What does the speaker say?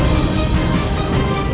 aku sudah menemukan siliwangi